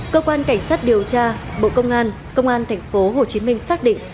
cơ quan cảnh sát điều tra bộ công an công an tp hcm xác định